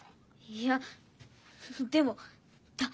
いやでもだ